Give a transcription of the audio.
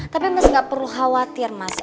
tapi mas gak perlu khawatir mas